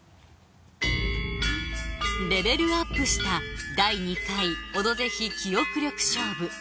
レベルアップした第２回「オドぜひ」記憶力勝負